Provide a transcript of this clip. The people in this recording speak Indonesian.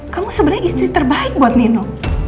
kamu sebenarnya istri terbaik buat nino